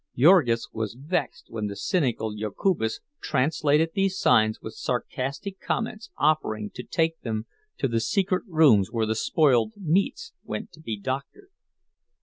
Jurgis was vexed when the cynical Jokubas translated these signs with sarcastic comments, offering to take them to the secret rooms where the spoiled meats went to be doctored.